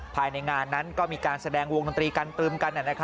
ภายในงานนั้นก็มีการแสดงวงดนตรีกันตรึมกัน